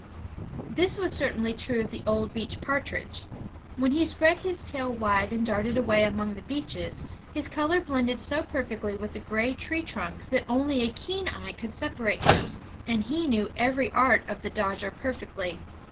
This was certainly true of the old beech partridge. When he spread his tail wide and darted away among the beeches, his color blended so perfectly with the gray tree trunks that only a keen eye could separate him. And he knew every art of the dodger perfectly.